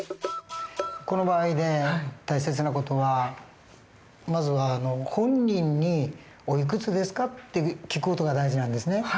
この場合で大切な事はまずは本人に「おいくつですか？」って聞く事が大事なんですね。